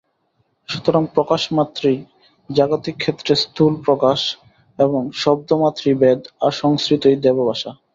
সুতরাং প্রকাশমাত্রেই জাগতিক ক্ষেত্রে স্থূল প্রকাশ এবং শব্দমাত্রেই বেদ, আর সংস্কৃতই দেবভাষা।